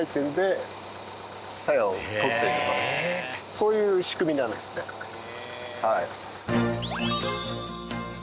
そういう仕組みなんですねはい。